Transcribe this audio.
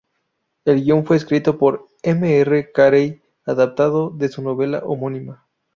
El guion fue escrito por M. R. Carey adaptado de su novela homónima.